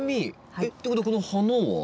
えっということはこの花は？